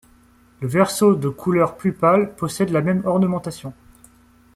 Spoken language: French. Le verso de couleur plus pâle possède la même ornementation.